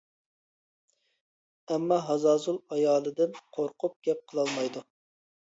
ئەمما ھازازۇل ئايالىدىن قورقۇپ گەپ قىلالمايدۇ.